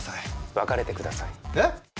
別れてください。